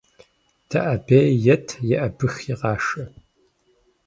ДэӀэбеи ет, еӀэбыхи къашэ.